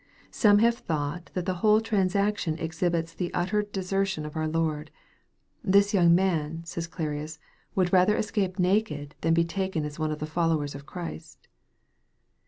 Some have thought that the whole transaction exhibits the utter de sertion of our Lord. " This young man," says Clarius, " would rather escape naked than be taken as one of the folio wero of Christ."